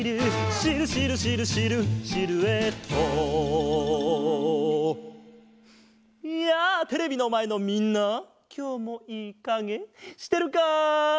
「シルシルシルシルシルエット」やあテレビのまえのみんなきょうもいいかげしてるか？